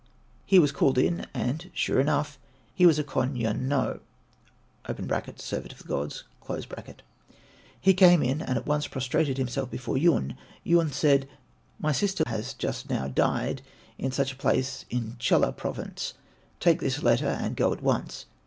He was called in, and sure enough he was a Kon yun no (servant of the gods). He came in and at once prostrated himself before Yun. Yun said, "My sister has just now died in such a place in Chulla Province. Take this letter and go at once.